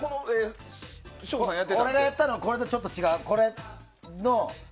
俺がやってたのはちょっと違う。